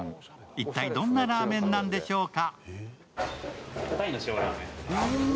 一体、どんなラーメンなんでしょうか。